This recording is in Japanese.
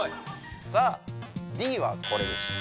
さあＤはこれでした。